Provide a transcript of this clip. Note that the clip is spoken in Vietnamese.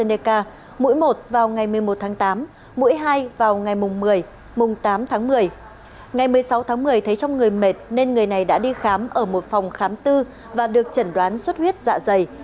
ngày một mươi sáu tháng một mươi thấy trong người mệt nên người này đã đi khám ở một phòng khám tư và được chẩn đoán suất huyết dạ dày